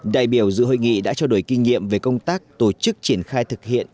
đại biểu dự hội nghị đã trao đổi kinh nghiệm về công tác tổ chức triển khai thực hiện